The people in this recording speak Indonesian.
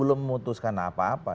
belum memutuskan apa apa